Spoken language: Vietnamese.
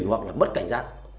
hoặc là mất cảnh giác